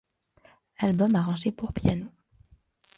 Album arrangé pour piano.